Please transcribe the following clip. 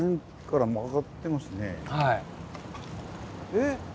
えっ。